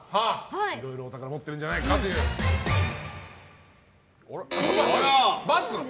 いろいろお宝持っているんじゃないかと。×！